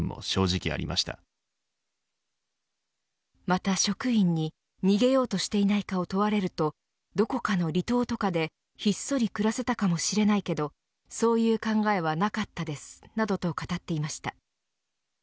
また職員に逃げようとしていないかを問われるとどこかの離島とかでひっそり暮らせたかもしれないけどそういう考えはなかったですなどと語っていました。